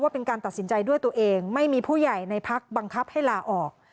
เป็นการตัดสินใจด้วยตัวเองไม่มีผู้ใหญ่ในพักบังคับให้ลาออก